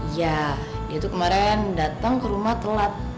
ya dia tuh kemarin datang ke rumah telat